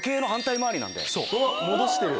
戻してる！